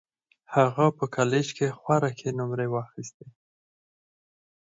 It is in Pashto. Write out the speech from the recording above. هغه په کالج کې خورا ښې نومرې واخيستې